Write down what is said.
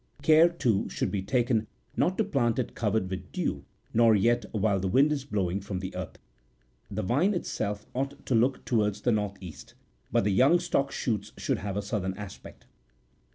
Care, too, should be taken not to plant it covered with dew,60 nor yet while the wind is blowing from the north. The vine itself ought to look towards the north east, but the young stock shoots should have a southern aspect.